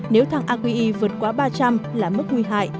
nếu thang aqi vượt quá ba trăm linh là mức nguy hại